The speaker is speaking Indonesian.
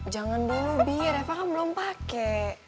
jangan dulu bi reva kan belum pake